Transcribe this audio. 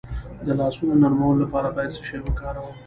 د لاسونو نرمولو لپاره باید څه شی وکاروم؟